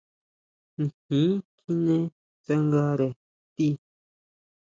Nijin kjine tsangare tii.